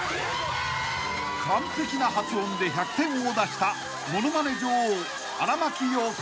［完璧な発音で１００点を出した物まね女王荒牧陽子］